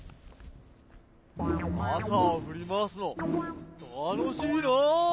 かさをふりまわすのたのしいな。